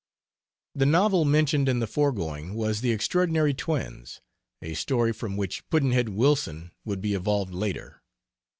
] The "novel" mentioned in the foregoing was The Extraordinary Twins, a story from which Pudd'nhead Wilson would be evolved later.